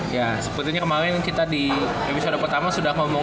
ya sepertinya kemaren kita di episode pertama sudah ngomong